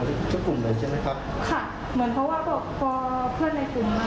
ทุกกลุ่มเลยใช่ไหมครับค่ะเหมือนเพราะว่าพอเพื่อนในกลุ่ม